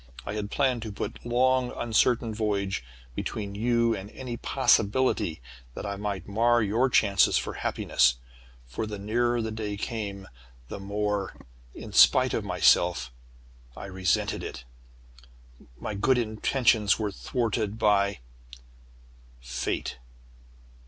I had planned to put a long uncertain voyage between you and any possibility that I might mar your chances for happiness, for the nearer the day came, the more in spite of myself I resented it! "My good intentions were thwarted by Fate.